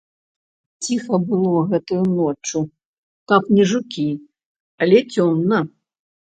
Ціха было гэтаю ноччу, каб не жукі, але цёмна.